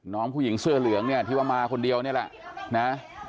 น้องผู้หญิงเสื้อเหลืองเนี่ยที่ว่ามาคนเดียวนี่แหละนะ